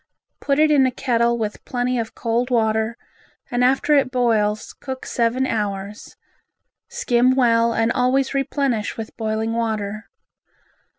Put it in a kettle with plenty of cold water and after it boils cook seven hours, skim well and always replenish with boiling water.